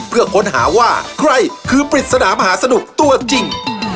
เพื่อค้นหาว่าใครคือปริศนามหาสนุกตัวจริง